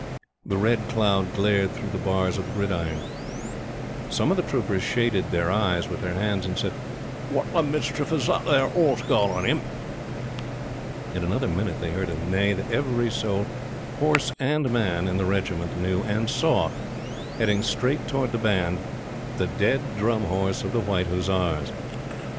The red cloud glared through the bars of the gridiron. Some of the troopers shaded their eyes with their hands and said: "What the mischief as that there 'orse got on 'im!" In another minute they heard a neigh that every soul horse and man in the Regiment knew, and saw, heading straight towards the Band, the dead Drum Horse of the White Hussars!